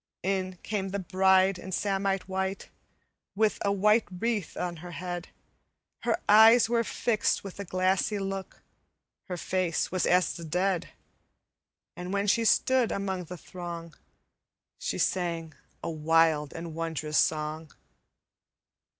"In came the bride in samite white With a white wreath on her head; Her eyes were fixed with a glassy look, Her face was as the dead, And when she stood among the throng, She sang a wild and wondrous song.